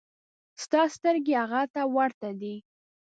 ستا سترګې هغه ته ورته دي.